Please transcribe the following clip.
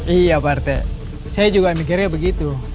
iya pak arte saya juga mikirnya begitu